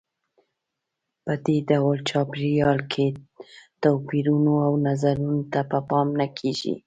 په دې ډول چاپېریال کې توپیرونو او نظرونو ته پام نه کیږي.